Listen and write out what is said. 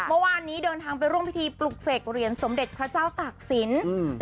เมื่อวานนี้เดินทางไปร่วมพิธีปลุกเสกเหรียญสมเด็จพระเจ้าตากศิลป์